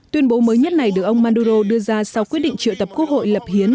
tuyên bố mới nhất này được ông maduro đưa ra sau quyết định triệu tập quốc hội lập hiến